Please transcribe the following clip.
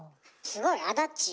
すごいあだっちー